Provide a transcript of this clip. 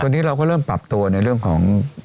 ตอนนี้เราก็เริ่มปรับตัวในเรื่องของ